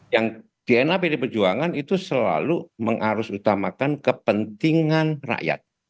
yang dna pd perjuangan itu selalu mengarus utamakan kepentingan rakyat